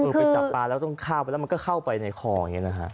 ไปจับปลาแล้วต้องเข้าไปแล้วมันก็เข้าไปในคออย่างนี้นะฮะ